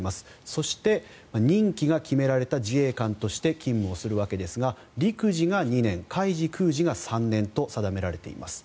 そして任期が決められた自衛官として勤務をするわけですが陸自が２年海自、空自が３年と定められています。